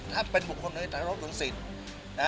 ถ้าเป็นบุคคลต้องธรรมภูมิสิน